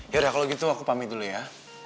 ya kalau gitu aku pamit dulu ya